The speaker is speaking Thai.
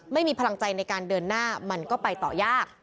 ไม่มีพลังใจในการเดินหน้ามันก็ไปต่อยาก